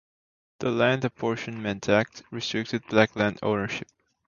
The Land Apportionment Act restricted Black land ownership.